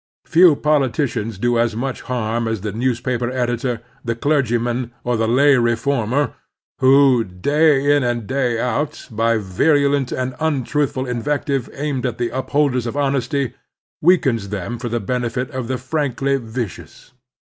Few politicians do as much harm as the news paper editor, the clergyman, or the lay reformer who, day in and day out, by virulent and un truthful invective aimed at the upholders of honesty, weakens them for the benefit of the frankly vicious.